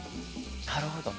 なるほど。